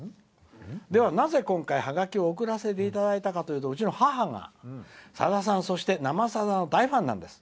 では、なぜ今回ハガキを送らせていただいたかというとうちの母が、さださん、そして「生さだ」の大ファンなんです。